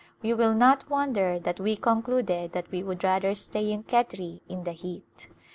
You will not wonder that we concluded that we would rather stay in Khetri in the heat.